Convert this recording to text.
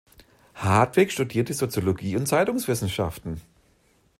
Hartwig studierte Soziologie und Zeitungswissenschaften.